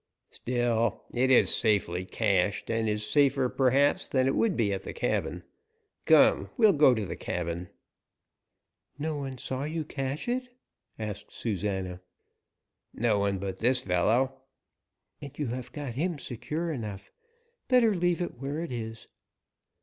"Still, it is safely cached, and is safer, perhaps, than it would be at the cabin. Come, we'll go to the cabin." "No one saw you cache it?" asked Susana. "No one but this fellow." "And you have got him secure enough. Better leave it where it is."